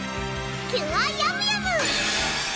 キュアヤムヤム！